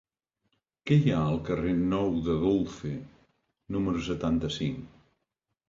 Què hi ha al carrer Nou de Dulce número setanta-cinc?